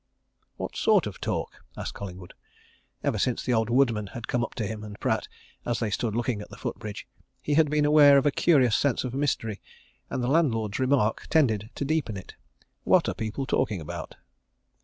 "What sort of talk?" asked Collingwood. Ever since the old woodman had come up to him and Pratt, as they stood looking at the foot bridge, he had been aware of a curious sense of mystery, and the landlord's remark tended to deepen it. "What are people talking about?"